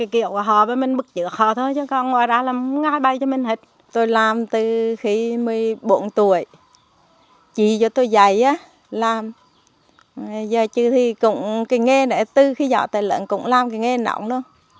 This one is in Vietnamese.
giờ chứ thì cũng cái nghề này từ khi giọt tài lận cũng làm cái nghề nón luôn